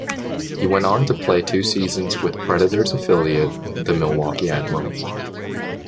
He went on to play two season's with Predators affiliate, the Milwaukee Admirals.